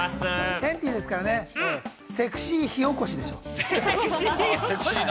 ケンティーですからね、セクシー火おこしでしょう！